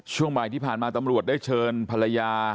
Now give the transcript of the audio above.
ช่วงบ่ายที่ผ่านมาตำรวจได้เชิญภรรยา